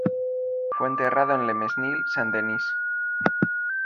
Fue enterrado en Le Mesnil-Saint-Denis.